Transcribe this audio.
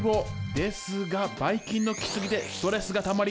ですがバイ菌の来すぎでストレスがたまり